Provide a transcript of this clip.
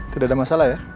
tidak ada masalah ya